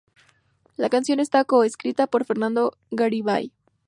La canción está co-escrita por Fernando Garibay.